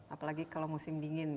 apalagi kalau musim dingin